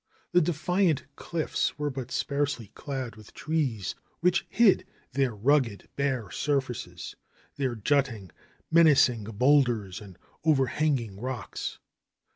The defiant cliffs were but sparsely clad with trees, which hid their rugged, bare surfaces, their jutting, menacing boulders and over hanging rocks.